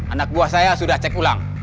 anak buah saya sudah cek ulang